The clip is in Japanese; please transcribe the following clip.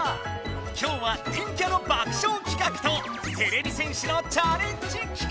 きょうは電キャの爆笑企画とてれび戦士のチャレンジ企画！